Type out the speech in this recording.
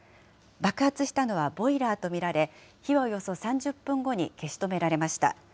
爆発したのはボイラーと見られ、火はおよそ３０分後に消し止められました。